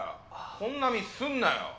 こんなミスすんなよ！